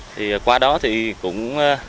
thì qua đó thì cũng